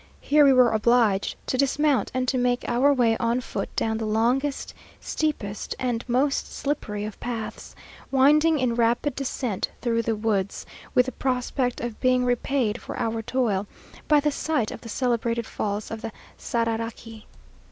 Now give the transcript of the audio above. Here we were obliged to dismount, and to make our way on foot down the longest, steepest, and most slippery of paths, winding in rapid descent through the woods; with the prospect of being repaid for our toil, by the sight of the celebrated Falls of the Sararaqui.